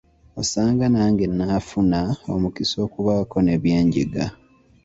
Osanga nange nnaafuna omukisa okubaako ne bye njiga.